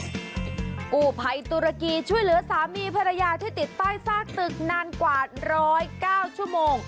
กู้ภัยตุรกีช่วยเหลือสามีภรรยาที่ติดใต้ซากตึกนานกว่า๑๐๙ชั่วโมง